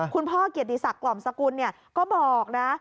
พ่อเกียรติศักดิ์กล่อมสกุลก็บอกนะ